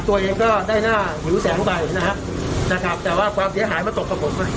ตัวเองก็ได้หน้าหิวแสงไปนะครับนะครับแต่ว่าความเสียหายมันตกกับผม